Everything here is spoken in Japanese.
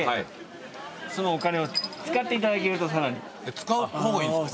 使う方がいいんですか？